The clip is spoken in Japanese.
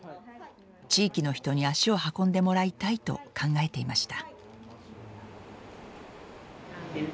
地域の人に足を運んでもらいたいと考えていました。